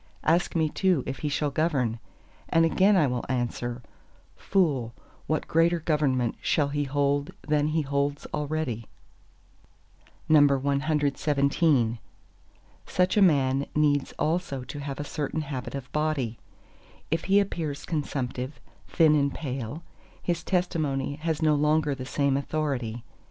Ask me too if he shall govern; and again I will answer, Fool, what greater government shall he hold than he holds already? CXVIII Such a man needs also to have a certain habit of body. If he appears consumptive, thin and pale, his testimony has no longer the same authority.